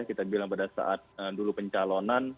kita bilang pada saat dulu pencalonan